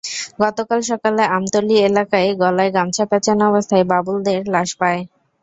গতকাল সকালে আমতলী এলাকায় গলায় গামছা প্যাঁচানো অবস্থায় বাবুল দের লাশ পায়।